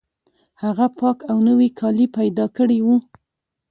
هغه پاک او نوي کالي پیدا کړي وو